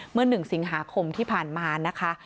เมื่อหนึ่งสิงหาคมที่ผ่านมาเนี้ยค่ะ